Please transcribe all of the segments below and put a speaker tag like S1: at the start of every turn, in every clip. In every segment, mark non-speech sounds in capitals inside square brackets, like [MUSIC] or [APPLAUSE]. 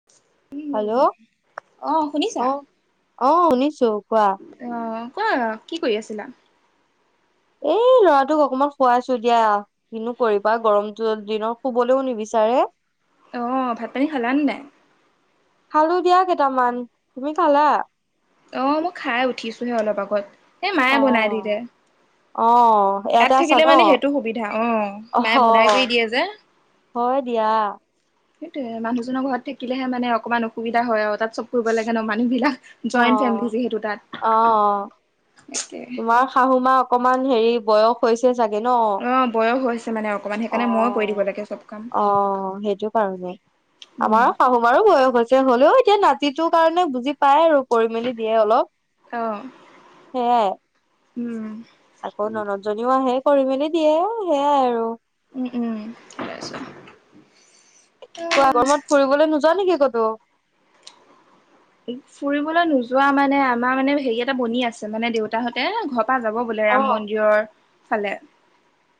S1: [INAUDIBLE]
S2: Hello
S1: অ শুনিছা
S2: অ অ শুনিছো কোৱা
S1: অ কোৱা কি কৰি আছিলা
S2: এই ল'ৰাটোক অকমান শুৱাইছো দিয়া কিনো কৰিবা গৰমটো দিনত শুবলৈও নিবিচাৰে
S1: অ ভাত পানী খালা নে নাই
S2: খালো দিয়া কেইটামান তুমি খালা
S1: অ মই খাই উঠিছোহে অলপ আগত এ মায়ে
S2: অ
S1: বনাই দিলে
S2: অ
S1: তাত
S2: ইয়াতে আছা
S1: থাকিলে
S2: ন
S1: মানে সেইটো সুবিধা অ
S2: অহ
S1: মায়ে বনাই কৰি দিয়ে যে
S2: হয় দিয়া
S1: সেইটোয়ে মানুহজনৰ ঘৰত থাকিলেহে মানে অকণমান অসুবিধা হয় আৰু তাত চব কৰিব লাগে ন মানুহবিলাক
S2: অ
S1: জইণ্ট ফেমিলি যিহেতু তাত
S2: অ
S1: তাকে
S2: তোমাৰ শাহু মা অকমান হেৰি বয়স হৈছে চাগে ন
S1: অ বয়স হৈছে মানে অকমান
S2: অ
S1: সেইকাৰণে মই কৰি দিব লাগে চব কাম
S2: অ সেইটো সেইটো কাৰণে
S1: উম
S2: আমাৰ শাহুমাৰো বয়স হৈছে হলেও এতিয়া নাতিটোৰ কাৰণে বুজি পায় আৰু কৰি মেলি দিয়ে অলপ
S1: অ
S2: সেয়াই
S1: উম
S2: আকৌ ননদজনীও আহে কৰি মেলি দিয়ে সেয়াই আৰু
S1: উম উম তাৰপিছত
S2: কোৱা
S1: অ
S2: গৰমত ফুৰিবলৈ নোযোৱা নেকি ক'তো
S1: ফুৰিবলৈ নোযোৱা মানে আমাৰ মানে হেৰি এটা বনি আছে মানে দেউতাহঁতে ঘৰৰ পৰা যাব বোলে
S2: অ
S1: ৰাম মন্দিৰৰ ফালে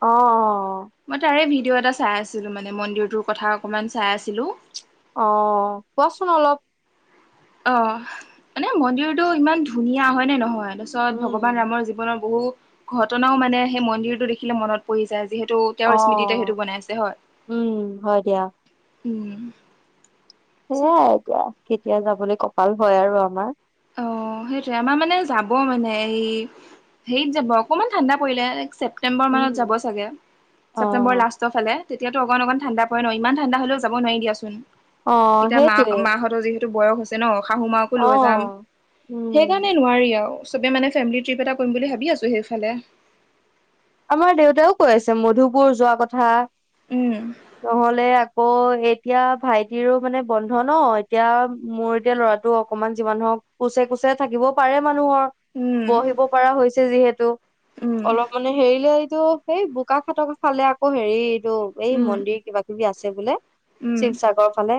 S2: অ'
S1: মই তাৰে ভিডিঅ' এটা চাই আছিলো মানে মন্দিৰটোৰ কথা অকণমান চাই আছিলো
S2: অ' কোৱাচোন অলপ
S1: অ' মানে মন্দিৰটো ইমান ধুনীয়া হয় নে নহয় তাৰপিছত
S2: উম
S1: ভগৱান ৰামৰ জী ৱনৰ বহু ঘটনাও মানে সেই মন্দিৰটো দেখিলে মনত পৰি যায় যিহেতু
S2: অ
S1: তেওঁৰ স্মৃতিতে সেইটো বনাইছে হয়
S2: উম হয় দিয়া
S1: উম তাৰপিছত
S2: সেয়াই এতিয়া কেতিয়া যাবলৈ কপাল হয় আৰু আমাৰ
S1: অ' সেইটোৱে আমাৰ মানে যাব মানে এই হেৰিত যাব অকণমান ঠাণ্ডা পৰিলে ছেপ্টেম্বৰ মানত
S2: উম
S1: যাব চাগে
S2: অ
S1: ছেপ্টেম্বৰৰ লাষ্ট টৰ ফালে তেতিয়াতো অকণ অকণ ঠাণ্ডা পৰে ন ইমান ঠাণ্ডা হ'লেও যাব নোৱাৰি দিয়াচোন
S2: অ
S1: এতিয়া মা
S2: সেইটোৱে
S1: মাহঁতৰ যিহেতু বয়স হৈছে ন শাহু মা
S2: অ'। উম
S1: সেইকাৰণে নোৱাৰি আৰু, চবে মানে ফেমিলি ট্ৰিপ এটা কৰিম বুলি ভাবি আছোঁ সেইফালে।
S2: আমাৰ দেউতাইও কৈ আছে মধুপুৰ যোৱা কথা।
S1: উম।
S2: নহ'লে আকৌ এতিয়া ভাইটিৰো মানে বন্ধ ন? এতিয়া মোৰ এতিয়া ল'ৰাট টো অকণমান যিমান নহওক কোছে কোছে চে থাকিব পাৰে মানুহৰ,
S1: উম
S2: বহিব পাৰা হৈছে যিহেতু,
S1: উম
S2: অলপমান এইটো, সেই বোকাখাটৰ ফালে আকৌ হেৰি এইটো এই,
S1: উম
S2: মন্দিৰ কিবা কিবি আছে বোলে?
S1: উম
S2: শিৱসাগৰ ফালে,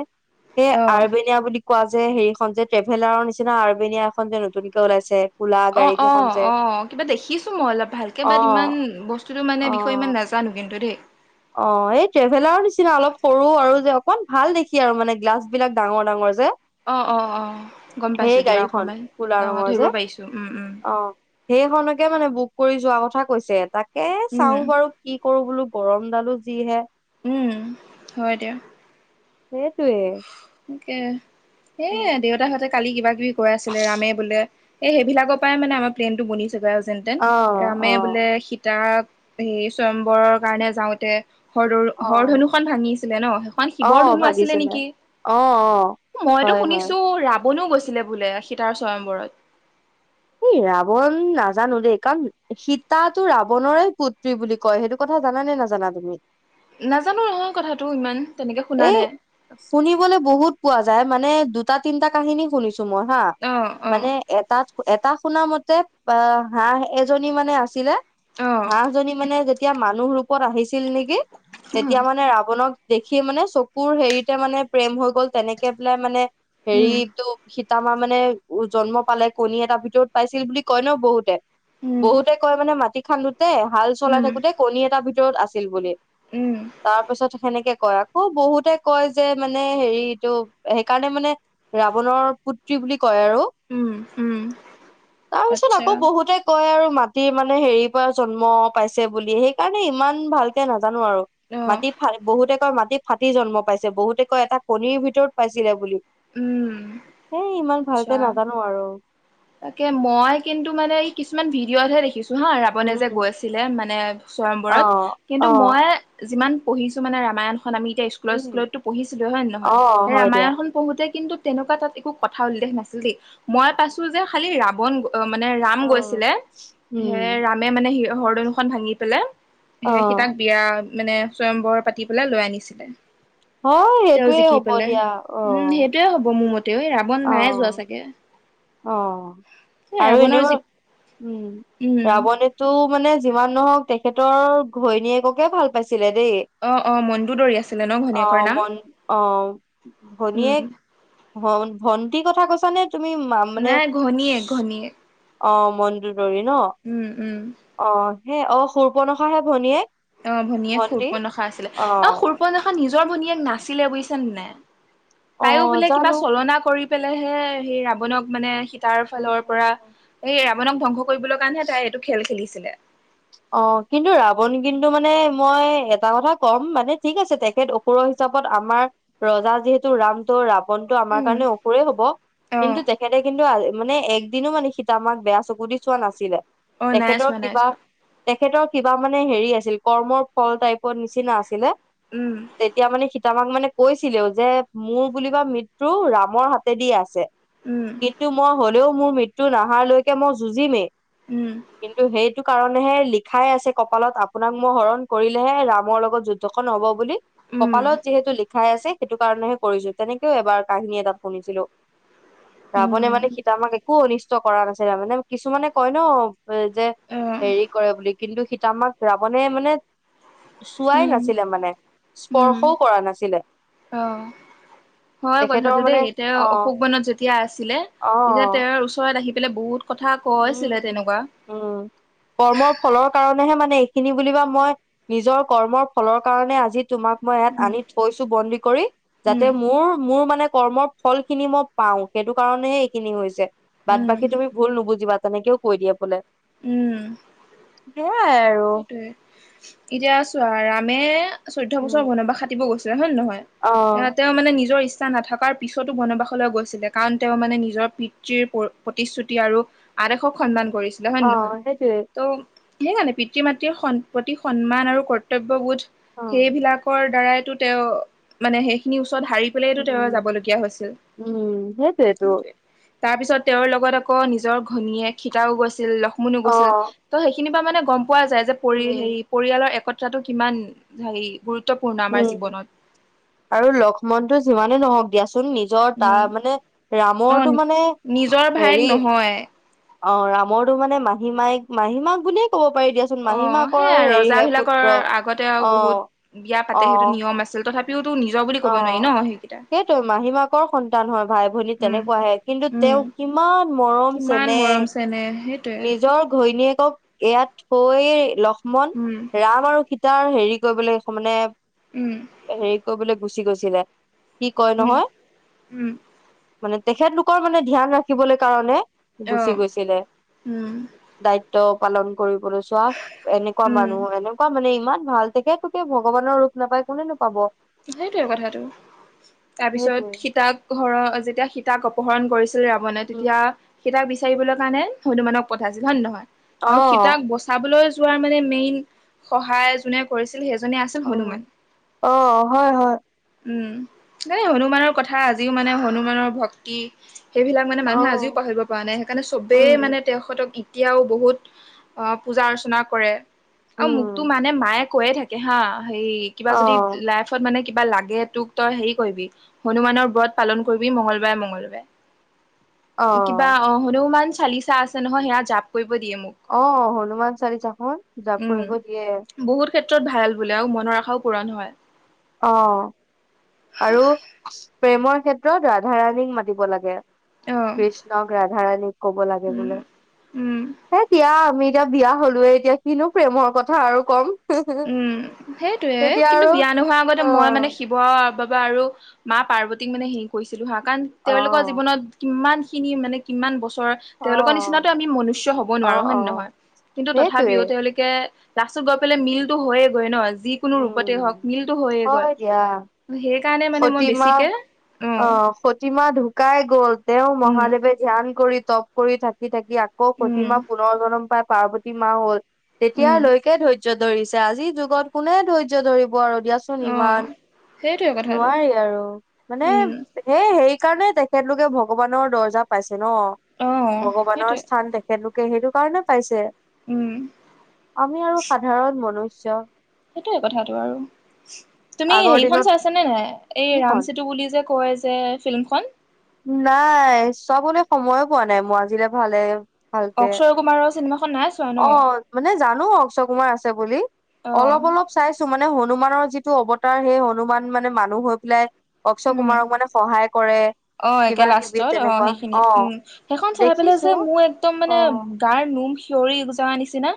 S2: সেই
S1: অহ।
S2: আৰবেনিয়া বুলি কোৱা যে হেৰিখন যে, ট্ৰেভেলাৰৰ নিচিনা আৰবেনিয়া এখন যে নতুনকে ওলাইছে কোলা
S1: অ,
S2: গাড়ী
S1: অ,
S2: কেইখন যে
S1: অ'। কিবা দেখিছোঁ মই অলপ ভালকে
S2: অ
S1: বাত ইমান, বস্তুটো মানে
S2: অ
S1: বিষয়ে ইমান নাজানো কিন্তু দেই।
S2: অ, এই ট্ৰেভেলাৰৰ নিচিনা অলপ সৰু আৰু যে অকন ভাল দেখি আৰু, মানে গ্লাছ বিলাক ডাঙৰ ডাঙৰ যে
S1: অ, অ, অ গ'ম
S2: সেই
S1: পাইছোঁ দিয়া,
S2: গাড়ীখন
S1: অকমান
S2: কোলা
S1: অ'
S2: ৰঙৰ
S1: ধৰিব
S2: যে
S1: পাৰিছোঁ। উ, উম।
S2: অ, হেইখনকে মানে বুক কৰি যোৱা কথা কৈছে, তাকে
S1: উম
S2: চাওঁ বাৰু কি কৰোঁ বোলো, গৰম ডালো যিহে
S1: উম, হয় দিয়া।
S2: সেইটোৱেই।
S1: তাকে এই এ দেউতাহঁতে কালি কিবা কিবি কৈ আছিলে ৰামে বোলে, এ সেইবিলাকৰ পৰাই মানে আমাৰ প্লেনটো বনিছেগৈ আও যেন তেন,
S2: অ',
S1: ৰামে
S2: অ',
S1: বোলে সীতাক হেৰি সয়ম্বৰৰ কাৰণে যাওঁতে হৰৰ হৰ
S2: অ',
S1: ধনুখন ভাঙিছিলে ন? সেইখন শিৱৰ
S2: অ',
S1: ধনু আছিলে
S2: ভাগিছিলে
S1: নেকি?
S2: অ', অ'।
S1: মইতো
S2: হয়, হয়,
S1: শুনিছোঁ ৰাৱণো গৈছিলে বোলে, সীতাৰ সয়ম্বৰত।
S2: এই ৰাৱণ নাজানো দেই, কাৰণ সীতাতো ৰাৱণৰে পুত্ৰী বুলি কয়, সেইটো কথা জানানে নাজানা তুমি?
S1: নাজানো নহয় কথাটো ইমান, তেনেকে শুনা
S2: এই
S1: নাই।
S2: শুনিবলৈ বহুত পোৱা যায়, মানে দুটা, তিনটা কাহিনী শুনিছোঁ মই হয়
S1: অ', অ।
S2: এটাত, এটা শুনা মতে, পা হাঁহ এজনী মানে আছিলে,
S1: অ
S2: হাঁহ জনী মানে যেতিয়া মানুহ ৰূপত আহিছিল নেকি তেতিয়া মানে ৰাৱণক সে মানে চকুৰ হেৰিতে মানে প্ৰেম হৈ গ'ল তেনেকে পেলাই মানে
S1: উম
S2: হেৰিটো সীতা মা মানে উ জন্ম পালে কণী এটা ভিতৰত পাইছিল বুলি কয় ন, বহুতে
S1: উম
S2: বহুতে কয় মানে মাটি খান্দোতে হাল চলাই
S1: উম উম
S2: থাকোঁতে কণী এটা ভিতৰত আছিল বুলি
S1: উম
S2: তাৰপিছত সেনেকে কয় আকৌ বহুতে কয় যে, মানে হেৰিটো সেইকাৰণে মানে ৰাৱণৰ পুত্ৰী বুলি কয় আৰু
S1: উম উম
S2: তাৰপিছত
S1: আচ্ছা
S2: আকৌ বহুতে কয় আৰু মাটিৰ মানে হেৰিৰ পৰা জন্ম পাইছে বুলি সেইকাৰণে ইমান ভালকে নাজানো আৰু।
S1: অ
S2: মাটি ফা [UNINTELLIGIBLE] বহুতে কয় মাটি ফাটি জন্ম পাইছে, বহুতে কয় এটা কণীৰ ভিতৰত পাইছিলে বুলি
S1: উম
S2: এই ইমান ভালকে
S1: আচ্ছা
S2: নাজানো আৰু
S1: তাকে মই কিন্তু মানে এই কিছুমান ভিডিঅ'তহে দেখিছোঁ। নহয় ৰাৱণে যে
S2: উম
S1: গৈছিলে মানে
S2: অ
S1: চয়ম্বৰত কিন্তু
S2: অ
S1: মইয়ে যিমান পঢ়িছো মানে ৰামায়ণখন আমি এতিয়া স্কুলত,
S2: উম
S1: স্কুলতটো পঢ়ছিলোঁ হয় নে নহয়
S2: অ
S1: হে
S2: হয় দিয়া
S1: ৰামায়ণখন পঢ়োঁতে কিন্তু তেনেকুৱা তাত একো কথা উল্লেখ নাছিল দেই মই পাইছোঁ যে খালি ৰাৱণ গ অ' মানে, ৰাম
S2: অ
S1: গৈছিলে। হে
S2: উম
S1: ৰাম ৰামে মানে [UNINTELLIGIBLE] হৰ ধনুখন ভাঙি পেলে
S2: অ
S1: হে সীতাক বিয়া মানে, চয়ম্বৰ পাতি পেলাই লৈ আনিছিলে।
S2: হয়
S1: তেওঁ
S2: সেইটোয়ে
S1: জিকি
S2: হ'ব
S1: পেলে
S2: দিয়া অ
S1: উম, হেটোৱে হ'ব মোৰ মতেও এই ৰাৱণ
S2: অ
S1: নাই যোৱা চাগে। এ
S2: অ' আৰু
S1: ৰাৱণৰ
S2: এনেও
S1: যি
S2: উম,
S1: উম
S2: ৰাৱণে তো মানে যিমান নহওক, তেখেতৰ ঘৈণীয়েককে ভাল পাইছিলে দে।
S1: অ অ মনটো দৌৰি আছিলে ন ঘনীয়েকৰ
S2: অ'
S1: নাম
S2: মন অ'
S1: উম
S2: ঘনীয়েক ভন-ভন্টি কথা কৈছ নে? তুমি মা মানে
S1: নাই ঘনীয়েক, ঘনীয়েক।
S2: অ' মন্দোদৰী ন?
S1: উম, উম।
S2: অ' সেই অ' শূৰ্পনখা হে ভনীয়েক।
S1: অ' ভনীয়েক
S2: ভন্টি
S1: শূৰ্পনখা আছিলে, অ' শূৰ্পনখা নিজৰ ভনীয়েক নাছিলে বুইছা নে নাই? তাইও
S2: অ'
S1: বোলে কিবা
S2: জানো
S1: চলনা কৰি পেলাই হে সেই ৰাৱণক মানে সী তাৰ ফালৰ পৰা এই ৰাৱনক ধ্বংস কৰিবলৈ কাৰণেহে তাই এইটো খেল খেলিছিলে।
S2: অ' কিন্তু ৰাৱণ, কিন্তু মানে মই এটা কথা ক'ম মানে, ঠিক আছে তেখেত অ সুৰ হিচাপত আমাৰ ৰজা যিহেতু ৰাম ত' ৰাব ৱণটো আমাৰ
S1: উম
S2: কাৰণে অসুৰেই হ'ব,
S1: অ
S2: কিন্তু তেখেতে কিন্তু মানে, একদিনো মানে সীতামাক বেয়া চকু দি চোৱা নাছিলে।
S1: অ' নাই
S2: তেখেতৰ
S1: চোৱা, নাই
S2: কিবা
S1: চোৱা।
S2: তেখেতৰ কিবা মানে, হেৰি আছিল কৰ্মৰ ফল টাইপৰ নিচিনা আছিলে।
S1: উম,
S2: তেতিয়া মানে, সীতামাক মানে কৈছিলেও যে মোৰ বুলিবা মৃত্যু ৰামৰ হাতেদি আছে।
S1: উম
S2: কিন্তু মই হলেও মোৰ মৃত্যু নাহাৰ লৈকে মই যুঁজিমেই,
S1: উম
S2: কিন্তু সেইটো কাৰণেহে লিখাই আছে কপালত, আপোনাক মই হৰণ কৰিলেহে ৰামৰ লগত যুদ্ধখন হ'ব বুলি।
S1: উম
S2: কপালত যিহেতু লিখাই আছে সেইটো কাৰণেহে কৰিছো। তেনেকেও এবাৰ কাহিনী এটাত শুনিছিলোঁ। ৰাৱণে
S1: উম
S2: মানে সীত মা ক এক একো অনিষ্ট কৰা নাছিলা মানে, কিছুমানে কয় ন, যে
S1: অ
S2: হেৰি কৰে বুলি কিন্তু সীত মাক ৰাৱণে মানে, চোৱাই
S1: উম
S2: নাছিলে মানে,
S1: উম
S2: স্পৰ্শও কৰা নাছিলে।
S1: অ', হয়
S2: তেখেতৰ
S1: কথাটো
S2: মানে
S1: দেই সীতা
S2: অ
S1: অশোক বনত যেতিয়া আছিলে।
S2: অ
S1: তেতিয়া
S2: অ
S1: তেওঁৰ ওচৰত আহি পেলাই বহুত কথা কৈছিলে
S2: উম,
S1: তেনেকুৱা
S2: উম, কৰ্ম ফলৰ কাৰণেহে মানে এইখিনি বুলিবা নিজৰ কৰ্মৰ ফলৰ কাৰণে আজি তোমাক মই ইয়াত
S1: উম
S2: আনি থৈছো বন্দী কৰি। যাতে
S1: উম
S2: মোৰ মোৰ মানে কৰ্মৰ ফল খিনি মই পাওঁ সেইটো কাৰণেহে এইখিনি হৈছে। বাট
S1: উম
S2: বাকী তুমি ভুল নুবুজ জিবা তেনেকেও কৈ দিয়ে বোলে
S1: উম
S2: সেইয়াই আৰু।
S1: সেইটোৱে এতিয়া ছোৱা ৰামে চৈধ্য
S2: উম।
S1: বছৰ বনবাস খাতিব গৈছিলে হয় নে নহয়? এতিয়া
S2: অ',
S1: তেওঁ মানে নিজৰ ইচ্ছা নথকাৰ পিছতো বনবাসলৈ গৈছিলে, কাৰণ তেওঁ মানে নিজৰ পিতৃৰ প্ৰতিশ্ৰুতি আৰু আদেশক সন্মান কৰিছে হয় নে নহয়?
S2: অ', সেইটোৱে
S1: ত' সেইকাৰণে পিতৃ মাতৃৰ স প্ৰতি সন্মান আৰু কৰ্তব্যবোধ
S2: অ',
S1: সেইবিলাকৰ দ্বাৰাইতো তেওঁ মানে সেইখিনি ওচৰত হাৰি পেলাইটো তেওঁ
S2: উম।
S1: যাবলগীয়া হৈছিল,
S2: উম, সেইটোৱেতো
S1: সেইটোৱে। তাৰপিছত তেওঁৰ লগত আকৌ নিজৰ ঘনীয়েক সীতাও গৈছিল লক্ষ্মণো গৈছিল।
S2: অ',
S1: ত' সেইখিনি পৰা মানে গ'ম পোৱা যায় যে পৰি
S2: উম,
S1: হেৰি পৰিয়ালৰ একতাটো কিমান হেৰি গুৰুত্বপূৰ্ণ আমাৰ
S2: উম।
S1: জীৱনত।
S2: আৰু লক্ষ্মণ তো যিমানে নহওঁক দিয়াচোন টো নিজৰ
S1: উম,
S2: তাৰমানে ৰামৰটো মানে হেৰি
S1: হয়।
S2: ৰামৰটো মানে মাহী মাহী মাক বুলিয়ে ক'ব পাৰি দিয়াচোন। চোন মাহী
S1: অ'
S2: মাকৰ
S1: সেয়াই
S2: হেৰিহে
S1: ৰজাবিলাকৰ
S2: পুত্ৰ
S1: আগতে আৰু বহুত
S2: অ'
S1: বিয়া পাতে সেইটো
S2: অ'।
S1: নিয়ম আছিল তথাপিওতো নিজৰ বুলি ক'ব নোৱাৰি
S2: অ'
S1: ন সেইকেইটা।
S2: সেইটো মাহী মাকৰ সন্তান হয় ভাই ভনী
S1: উম,
S2: তেনেকুৱাহে। কিন্তু
S1: উম,
S2: তেওঁ কিমান মৰম চেন
S1: কিমান মৰম
S2: নেহ,
S1: চেনেহ সেইটোৱে।
S2: নিজৰ ঘৈণীয়েকক ইয়াত থৈ লক্ষ্মণ
S1: উম।
S2: ৰাম আৰু সীতাৰ হেৰি কৰিবলৈ মানে
S1: উম।
S2: হেৰি কৰিবলৈ গুচি গৈছিলে, কি কয়
S1: উম,
S2: নহয়
S1: উম,
S2: মানে তেখেতলোকৰ মানে ধ্যান ৰাখিবলৈ কাৰণে গুচি
S1: অ',
S2: গৈছিলে।
S1: উম,
S2: দায়িত্ব পালন কৰিবলৈ চোৱা এনেকুৱা
S1: উম।
S2: মানুহ এনে কুৱা মানে ইমান ভাল। তেখেত লোকে ভগৱানৰ ৰূপ নাপায় কোনেনো পাব।
S1: সেইটয়ে কথাটো,
S2: সেইটোৱে।
S1: তাৰপিছত সীতাক হৰ যেতিয়া সীতাক অপহৰণ কৰিছে ৰাৱণে।
S2: উম,
S1: তেতিয়া সীতাক বিচাৰিবলৈ কাৰণে হনুমানক পঠাইছিল হয় নে নহয়? আৰু
S2: অ',
S1: সীতাক বচ চাবলৈ যোৱাৰ মানে মেইন সহায় যোনে কৰিছিল সেইজনে আছিল
S2: উম,
S1: হনুমান।
S2: অ' হয়, হয়।
S1: উম, হেই হনুমানৰ কথা আজিও মানে হনুমানৰ ভক্তি সেইবিলাক মানে মানুহে আজিও
S2: অ',
S1: পাহৰিব পৰা নাই। সেইকাৰণে চবেই মানে
S2: উম,
S1: তেখেতক এতিয়াও বহুত অ' পূজা অৰ্চনা কৰে। আৰু মোকতো
S2: উম,
S1: মানে মায়ে কৈয়ে থাকে হা' হে কিবা যদি
S2: অ',
S1: লাই ফত মানে কিবা লাগে তোক তই হেৰি কৰিবি হনুমানৰ ব্ৰত পালন কৰিবি মঙ্গলবাৰে মঙ্গলবাৰে। কিবা অ' হনুমান চালিচা আছে নহয় সেয়া জাপ কৰিব দিয়ে মোক।
S2: অ', অ' হনুমান চালিচাখন জাপ
S1: উম
S2: কৰিব দিয়ে।
S1: বহুত ক্ষেত্ৰত ভাল বোলেও মনৰ আশাও পূৰণ হয়।
S2: অ' আৰু প্ৰেমৰ ক্ষেত্ৰত ৰাধা ৰাণীক মাতিব লাগে।
S1: অ
S2: কৃষ্ণক ৰাধাৰাণীক ক'ব লাগে
S1: উম
S2: বোলে।
S1: উম।
S2: হে দিয়া আমি এতিয়া বিয়া হলোয়ে এতিয়া কিনো প্ৰেমৰ কথা আৰু কম!
S1: উম সেইটোৱে,
S2: এতিয়া
S1: কিন্তু
S2: আৰু
S1: বিয়া নোহোৱাৰ আগতে মই
S2: অ'।
S1: মানে শিব ব বাবা আৰু মা পাৰ্বতীক মানে হি কৰিছিলো হা, কাৰণ তেওঁলোকৰ
S2: অ',
S1: জীৱনত কিমান খিনি মানে কিমান বছৰ তেওঁলোকৰ
S2: অ',
S1: নিচিনাতো আমি মনুষ্য হ'ব নোৱাৰো
S2: অ',
S1: হয় নে
S2: অ',
S1: নহয়, কিন্তু
S2: সেইটোৱে,
S1: তথাপিও তেওঁলোকে কে লাষ্টত গৈ পেলাই মিলটো হয়েগৈ ন যি কোনো ৰূপতে হওঁক
S2: উম,
S1: মিলটো হৈয়ে গৈ।
S2: হয় দিয়া।
S1: সেইকাৰণে মানে মই
S2: সতীমা
S1: বেছিকে অঁ
S2: শুকাই গল, তেওঁ মহাদেৱে ধ্যান কৰি তপ কৰি থাকি থাকি আকৌ
S1: উম
S2: প্ৰতিমা প পুনৰ জনম পাই পাৰ্বতী মা হ'ল,
S1: উম
S2: তেতিয়ালৈকে ধৈৰ্য ধৰিছে আজিৰ যুগত কোনে ধৈৰ্য ধৰিব আৰু দিয়া চোন
S1: অ
S2: ইমান,
S1: সেইটোৱে কথাটো
S2: নোৱাৰি আৰু মানে
S1: উম
S2: সেই সেইকাৰণে তেখেতলোকে ভগৱানৰ দৰ্জা পাইছে ন,
S1: অ
S2: ভগৱানৰ
S1: সেইটোৱে
S2: স্থান তে তেখেতে লোকে সেইটো কাৰণে পাইছে,
S1: উম
S2: আমি আৰু সাধাৰণ মনুষ্য।
S1: সেইটোৱে কথাটো আৰু। তুমি
S2: আগৰ দিনৰ
S1: হেৰিখন চাইছানে নাই এই
S2: কি কন
S1: ৰামসেতু বুলি যে কয় যে ফিল্মখন?
S2: নাই চাবলে সময়ে পোৱা নাই মই আজিলে ভালে ভালকে
S1: অক্ষয় কুমাৰৰ চিনেমাখন নাচ
S2: অ মানে জানো অক্ষয় কুমাৰ আছে বুলি,
S1: অ
S2: অলপ অলপ চাইছো মানে হনুমানৰ যিটো অৱতাৰ সেই হনুমান মানে মানুহ হৈ পেলাই অক্ষয়
S1: উম
S2: কুমাৰক মানে সহায় কৰে।
S1: অ একে
S2: কিবা কিবি
S1: লাষ্টত অ
S2: তেনেকুৱা
S1: সেইখিনি
S2: অ
S1: উম। সেইখন চাই পেলাই
S2: দেখিছো
S1: যে মোৰ একদম
S2: অ
S1: মানে গাৰ নোম সিয়ৰি যা নিচিনা,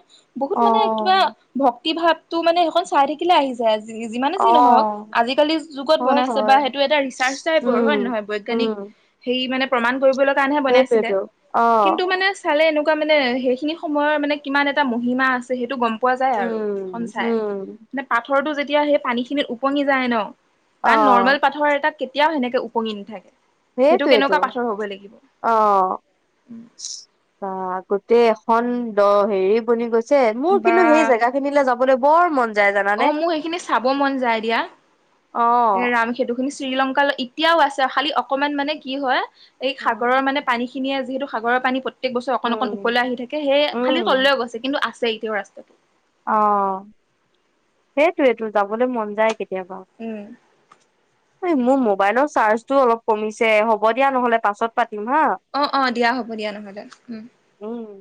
S1: বহুত
S2: অ
S1: মানে কিবা ভক্তি ভাৱটো মানে সেইখন চাই থাক কিলে আহি যায়, যি-যিমানে
S2: অ
S1: যি নহওক। আজিকালি যুগত
S2: হয়
S1: বনাইছে বা
S2: হয়
S1: সেইটো এটা ৰিচাৰ্চ টাইপৰ হয়
S2: উম
S1: নে নহয় বৈ বৈজ্ঞানিক
S2: উম
S1: হেৰি মানে প্ৰমাণ কৰিব কাৰণে হে বনাইছিলে,
S2: সেইটোয়েতো অ
S1: কিন্তু মানে চালে এনেকুৱা মানে সেইখিনি সময়ৰ মানে কিমান এটা মহিমা আছে সেইটো গম পোৱা যায় আৰু
S2: উম
S1: সঞ্চাই
S2: উম
S1: নে পাথৰটো যেতিয়া সেই পানীখিনিত উপঙি যায় ন'
S2: অ
S1: কাৰণ নৰ্মেল পাথৰ এটাত কেতিয়াও সেনেকে উপঙি নাথাকে। সেইটো
S2: সেইটোৱেটো
S1: কেনেকুৱা পাথৰ হ'ব লাগিব
S2: অঁ। বা গোটেই এখন দ হেৰি বনি গৈছে, মোৰ
S1: বা
S2: কিন্তু সেই জেগা খিনিলে যাবলে বৰ মন। যায় জানানে
S1: অঁ', মোৰ সেইখিনি চাব মন যায় দিয়া,
S2: অ
S1: এ, ৰাম সেতু খিনি শ্ৰীলংকলৈ এতিয়াও আছে খালি অকমান মানে কি হয় এই সাগৰৰ মানে পানী খিনিয়ে যিহেতু সাগৰৰ পানী পত প্ৰত্যেক বছৰ অকণ অকণ
S2: উম
S1: উপৰলে আহি থাকে, সেয়ে খালি
S2: উম
S1: তললৈ গৈছে কিন্তু আছে এতিয়াও আছে।
S2: অঁ সেইটোৱেতো যাবলৈ মন যায় কেতিয়াবা।
S1: উম।
S2: এ, মোৰ মোবাইলৰ চাৰ্জটোও অলপ কমিছে হ'ব দিয়া নহ'লে পাছত পাতিম হা
S1: অঁ অঁ দিয়া হ'ব দিয়া নহ'লে উম।
S2: উম